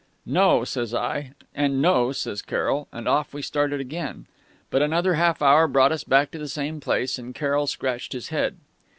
"'No,' says I, and 'No,' says Carroll ... and off we started again.... "But another half hour brought us back to the same place, and Carroll scratched his head.